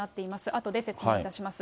あとで説明いたします。